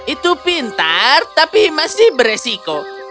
itu pintar tapi masih beresiko